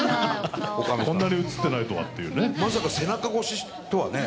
こんなに映ってないとはってまさか背中越しとはね。